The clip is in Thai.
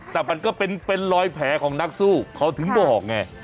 แต่มันก็เป็นรอยแผลของนักสู้เขาถึงบอกไง